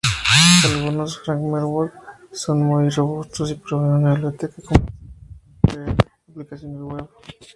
Algunos framework son muy robustos y proveen una biblioteca completa para construir aplicaciones web.